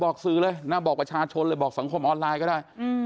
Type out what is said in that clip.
บอกสื่อเลยนะบอกประชาชนเลยบอกสังคมออนไลน์ก็ได้